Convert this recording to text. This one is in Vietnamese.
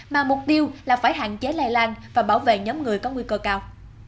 mà mục tiêu là phải hạn chế lây lan và bảo vệ nhóm người có nguy cơ cao